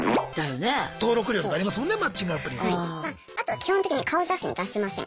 基本的に顔写真出しません。